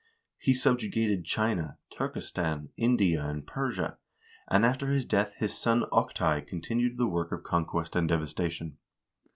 He subjugated China, Turkestan, India, and Persia; and after his death his son Oktai continued the work of conquest and devastation.